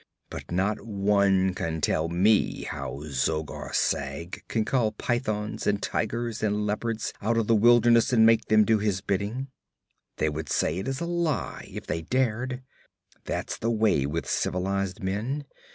'But not one can tell me how Zogar Sag can call pythons and tigers and leopards out of the wilderness and make them do his bidding. They would say it is a lie, if they dared. That's the way with civilized men.